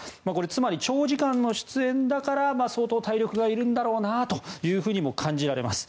つまり長時間の出演だから相当体力がいるんだなとも感じられます。